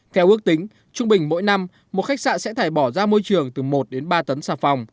theo ước tính trung bình mỗi năm một khách sạn sẽ thải bỏ ra môi trường từ một đến ba tấn xà phòng